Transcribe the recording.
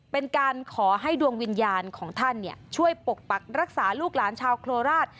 เป็นการขอให้ดวงวิญญาณของท่านช่วยปกปักรักษาลูกหลานชาวโคราช